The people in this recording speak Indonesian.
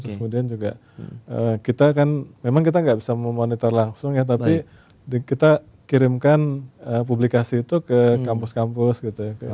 kemudian juga kita kan memang kita nggak bisa memonitor langsung ya tapi kita kirimkan publikasi itu ke kampus kampus gitu ya